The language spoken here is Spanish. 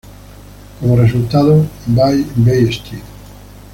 Como resultado, Bay St.